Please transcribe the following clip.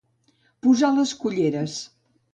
Posar les colleres.